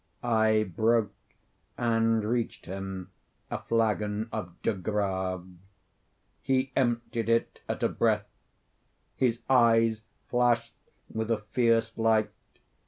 I broke and reached him a flagon of De Grâve. He emptied it at a breath. His eyes flashed with a fierce light.